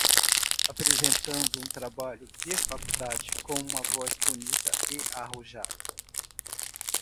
Apresentando um trabalho de faculdade com uma voz bonita e arrojada